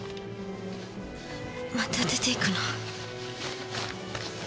また出ていくの？